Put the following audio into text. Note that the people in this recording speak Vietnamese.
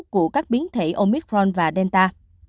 của các biến thể omicron và delta